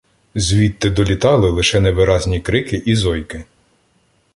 Звідти долітали лише невиразні крики і зойки.